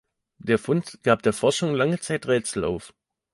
Der Fund gab der Forschung lange Zeit Rätsel auf.